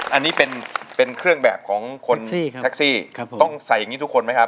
อันนี้เป็นเครื่องแบบของคนแท็กซี่ต้องใส่อย่างนี้ทุกคนไหมครับ